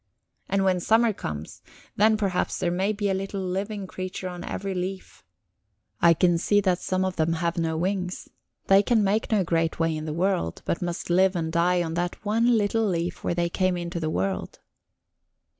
And when summer comes, then perhaps there may be a little living creature on every leaf; I can see that some of them have no wings; they can make no great way in the world, but must live and die on that one little leaf where they came into the world.